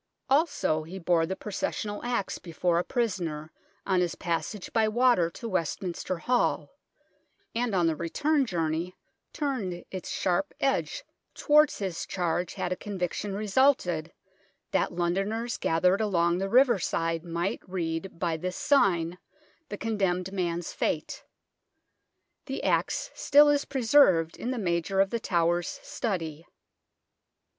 Also he bore the proces sional axe before a prisoner on his passage by water to Westminster Hall, and on the return journey turned its sharp edge towards his charge had a conviction resulted, that Londoners gathered along the riverside might read by this sign the condemned man's fate. The axe still is preserved in the Major of The Tower's study.